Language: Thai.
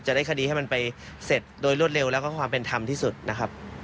ได้คดีให้มันไปเสร็จโดยรวดเร็วแล้วก็ความเป็นธรรมที่สุดนะครับ